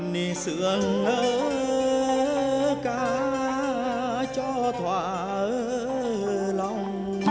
nhi sương ca cho thỏa lòng